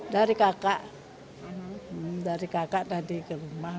dari kakak dari kakak tadi ke rumah